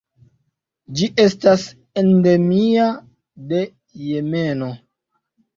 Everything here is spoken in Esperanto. Ĝi estas endemia de Jemeno.